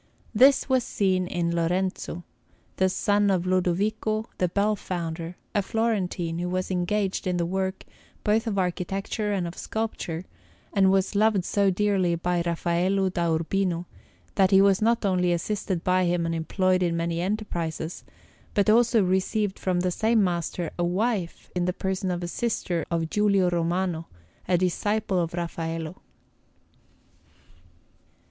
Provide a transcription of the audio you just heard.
This was seen in Lorenzo, the son of Lodovico the bell founder, a Florentine, who was engaged in the work both of architecture and of sculpture, and was loved so dearly by Raffaello da Urbino, that he not only was assisted by him and employed in many enterprises, but also received from the same master a wife in the person of a sister of Giulio Romano, a disciple of Raffaello.